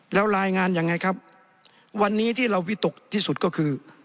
แล้วรายงานยังไงครับวันนี้ที่เราวิตกที่สุดก็คือ